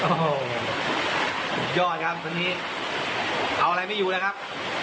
โอ้โฮยอดครับตอนนี้เอาอะไรไม่อยู่นะครับ